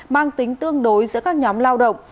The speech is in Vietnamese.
mang tính tương đối giữa các nhóm lao động